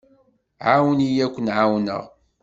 Ԑawen-iyi ad ken-εawneɣ.